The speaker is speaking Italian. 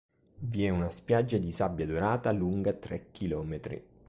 Vi è una spiaggia di sabbia dorata lunga tre chilometri.